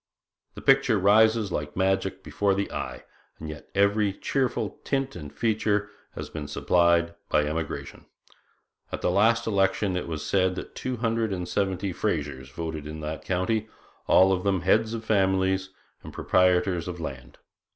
The picture rises like magic before the eye, and yet every cheerful tint and feature has been supplied by emigration. At the last election it was said that two hundred and seventy Frasers voted in that county all of them heads of families and proprietors of land.